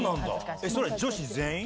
それは女子全員？